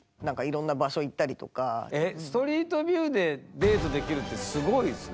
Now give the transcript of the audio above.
ストリートビューでデートできるってすごいですね。